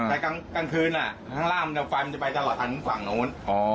แต่กลางคืนข้างล่างไฟมันจะไปตลอดทางฝั่งโน้น